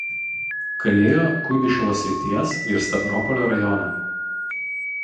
Kalėjo Kuibyševo srities ir Stavropolio raj.